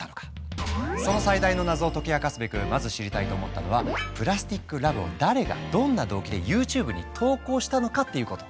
その最大の謎を解き明かすべくまず知りたいと思ったのは「ＰＬＡＳＴＩＣＬＯＶＥ」を誰がどんな動機でＹｏｕＴｕｂｅに投稿したのかっていうこと。